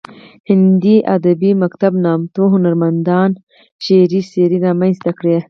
هندي ادبي مکتب نامتو هنرمندې شعري څیرې رامنځته کړې